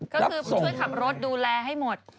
ก็คือช่วยขับรถดูแลให้หมด